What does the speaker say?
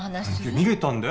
逃げたんだよ